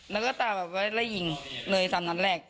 แล้วก็ตามไปไล่ยิงเลย๓นัดแรก